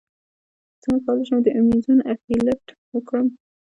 څنګه کولی شم د ایمیزون افیلیټ وکړم